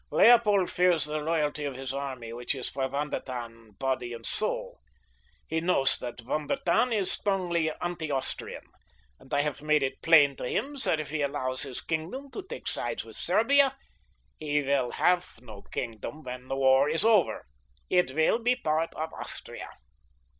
Leopold fears the loyalty of his army, which is for Von der Tann body and soul. He knows that Von der Tann is strongly anti Austrian, and I have made it plain to him that if he allows his kingdom to take sides with Serbia he will have no kingdom when the war is over—it will be a part of Austria.